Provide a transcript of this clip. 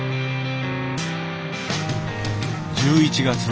１１月。